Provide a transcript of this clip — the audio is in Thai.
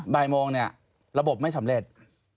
บ่ายโมงเนี่ยระบบไม่สำเร็จ